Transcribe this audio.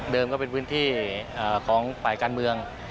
ก็เป็นพื้นที่ของฝ่ายการเมือง